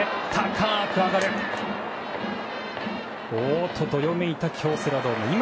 オー！とどよめいた京セラドーム。